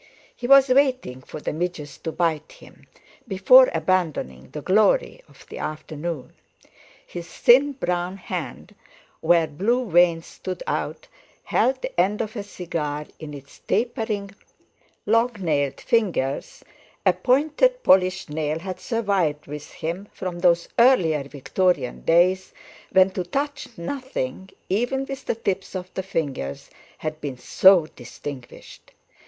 He was waiting for the midges to bite him, before abandoning the glory of the afternoon. His thin brown hand, where blue veins stood out, held the end of a cigar in its tapering, long nailed fingers—a pointed polished nail had survived with him from those earlier Victorian days when to touch nothing, even with the tips of the fingers, had been so distinguished.